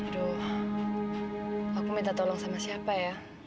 aduh aku minta tolong sama siapa ya